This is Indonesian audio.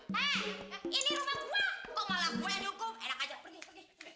hai ini rumah gua enak aja pergi